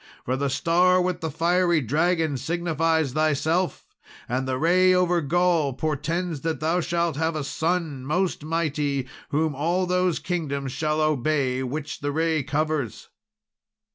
For the star with the fiery dragon signifies thyself; and the ray over Gaul portends that thou shalt have a son, most mighty, whom all those kingdoms shall obey which the ray covers."